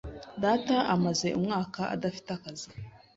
Data amaze umwaka adafite akazi.